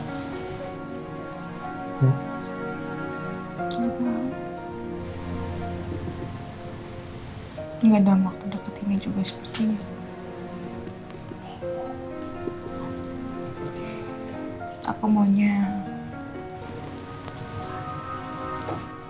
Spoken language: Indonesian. gak ada waktu dapetinnya juga seperti ini